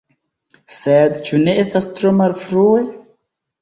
Sed ĉu ne estas tro malfrue?